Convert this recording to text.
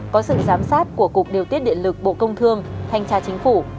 có sự giám sát của cục điều tiết điện lực bộ công thương thanh tra chính phủ